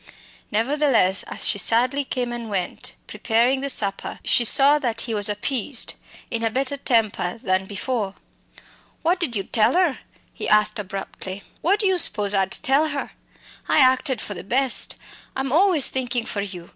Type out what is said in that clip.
Nevertheless, as she sadly came and went, preparing the supper, she saw that he was appeased, in a better temper than before. "What did you tell 'er?" he asked abruptly. "What do you spose I'd tell her? I acted for the best. I'm always thinkin' for you!"